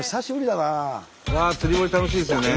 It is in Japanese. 釣り堀楽しいですよね。